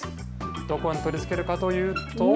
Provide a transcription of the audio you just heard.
どこに取り付けるかというと。